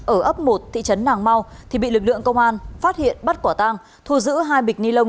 ở ấp một thị trấn nàng mau thì bị lực lượng công an phát hiện bắt quả tang thu giữ hai bịch ni lông